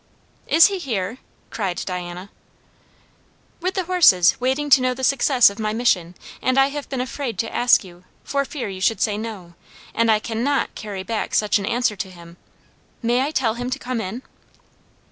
"Is he here?" cried Diana. "With the horses waiting to know the success of my mission; and I have been afraid to ask you, for fear you should say no; and I cannot carry back such an answer to him. May I tell him to come in?"